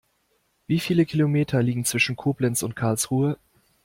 Wie viele Kilometer liegen zwischen Koblenz und Karlsruhe?